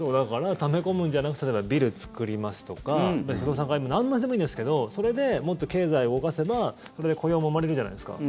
ため込むんじゃなくて例えば、ビル作りますとか不動産買うとかなんでもいいんですけどそれでもっと経済を動かせば雇用も生まれるじゃないですか。